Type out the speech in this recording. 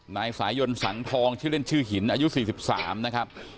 นายสายยนต์สังทองชื่อเล่นชื่อหินอายุสี่สิบสามนะครับ